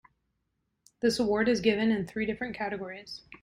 This award is given in three different categories.